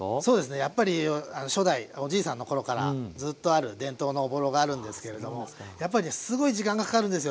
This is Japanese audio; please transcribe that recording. やっぱり初代おじいさんの頃からずっとある伝統のおぼろがあるんですけれどもやっぱりねすごい時間がかかるんですよ